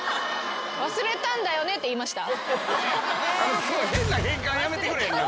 「忘れたんだよね」って言いました？